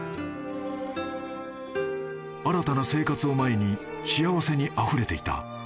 ［新たな生活を前に幸せにあふれていた］